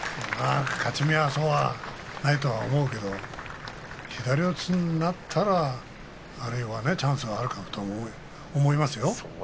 勝ち目はそうはないと思うけれども、左四つになったらあるいはチャンスがあるかもと思いますよ。